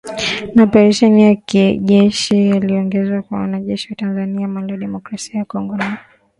Na oparesheni ya kijeshi yaliyoongozwa na wanajeshi wa Tanzania, Malawi, Demokrasia ya Kongo na Afrika kusini